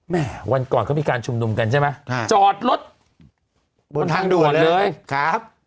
วันก่อนเขามีการชุมนุมกันใช่ไหมจอดรถบนทางด่วนเลยครับ